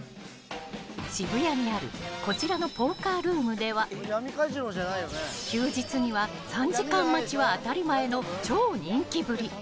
渋谷にある、こちらのポーカールームでは休日には３時間待ちは当たり前の超人気ぶり。